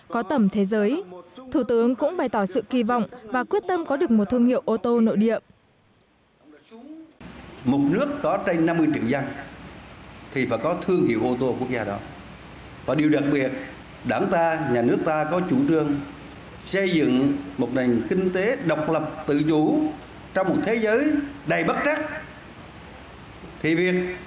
có tầm thế giới thủ tướng cũng bày tỏ sự kỳ vọng và quyết tâm có được một thương hiệu ô tô nội điệp